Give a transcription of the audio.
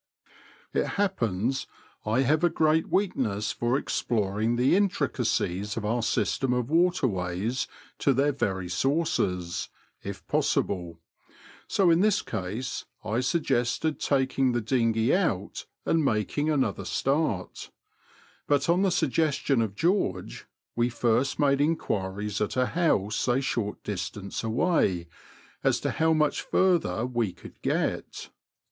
It happens I have a great weakness for exploring the intricacies of our system of waterways to their very sources, if possible ; so in this case I suggested taking the dinghey out and making another start; but on the suggestion of George, we first made enquiries at a house a short distance away as to how much further we could get.